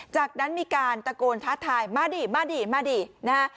จากนั้นมีการตะโกนทัดทายมาดินะ